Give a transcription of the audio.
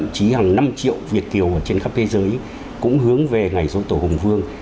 chỉ hàng năm triệu việt kiều trên khắp thế giới cũng hướng về ngày số tổ hùng vương